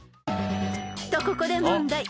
［とここで問題］